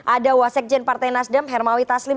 ada wasekjen partai nasdem hermawi taslim